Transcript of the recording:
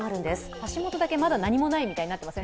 橋本だけまだ何もないみたいになってません？